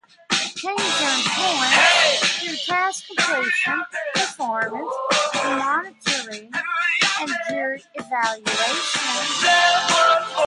Teams earn points through task completion, performance monitoring, and jury evaluation.